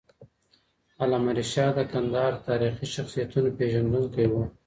علامه رشاد د کندهار د تاریخي شخصیتونو پېژندونکی وو.